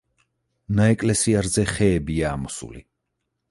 ნაეკლესიარზე ხეებია ამოსული.